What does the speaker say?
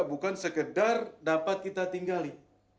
bukan sekedar dapat kita tinggali